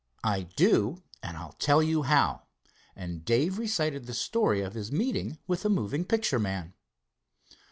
"I do, and I'll tell you how," and Dave recited the story of his meeting with the moving picture man.